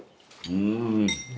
うん！